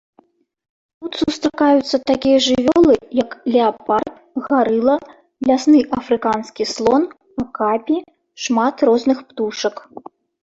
Тут сустракаюцца такія жывёлы, як леапард, гарыла, лясны афрыканскі слон, акапі, шмат розных птушак.